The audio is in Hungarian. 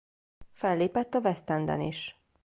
Fellépett a West Enden is.